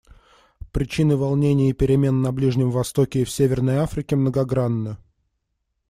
Причины волнений и перемен на Ближнем Востоке и в Северной Африке многогранны.